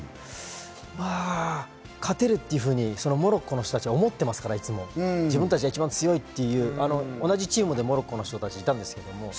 勝てるというふうに、モロッコの人たちは、いつも思っていますから、自分たちが一番強いという、同じチームでモロッコの人たちがいたんですけれども。